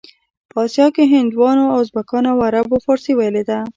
په اسیا کې هندوانو، ازبکانو او عربو فارسي ویلې ده.